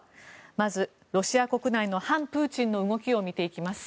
まずロシア国内の反プーチンの動きを見ていきます。